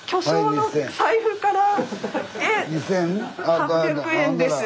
８００円です。